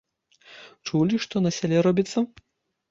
Чулі, што на сяле робіцца?